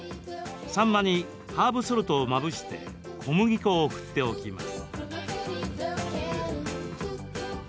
サンマにハーブソルトをまぶして小麦粉を振っておきます。